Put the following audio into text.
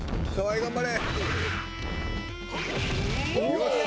頑張れ！